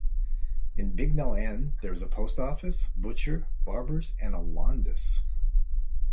In Bignall End there is a Post Office, Butchers, barbers and a Londis.